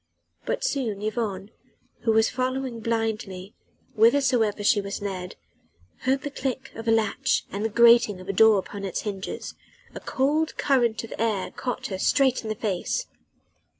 But soon Yvonne who was following blindly whithersoever she was led heard the click of a latch and the grating of a door upon its hinges: a cold current of air caught her straight in the face.